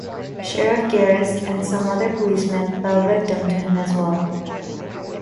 Sherriff Garris and some other policemen fall victim to him as well.